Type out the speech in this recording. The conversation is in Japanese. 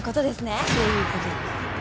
そういうことです。